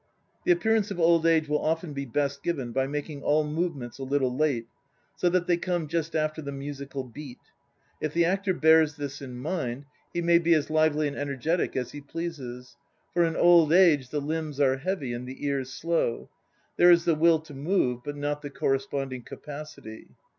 ... The appearance of old age will often be best given by making all movements a little late, so that they come just after the musical beat. If the actor bears this in mind, he may be as lively and energetic as he pleases. For in old age the limbs are heavy and the ears slow; there is the will to move but not the corresponding capacity.